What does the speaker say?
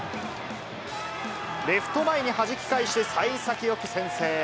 レフト前にはじき返してさい先よく先制。